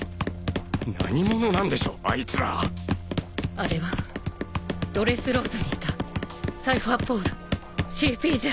あれはドレスローザにいたサイファーポールＣＰ０。